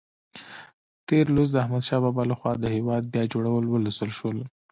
تېر لوست د احمدشاه بابا لخوا د هېواد بیا جوړول ولوستل شول.